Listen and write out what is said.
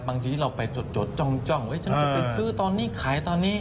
บางทีเราไปจดยกยกจะไปซื้อตอนนี้ขายตอนนี้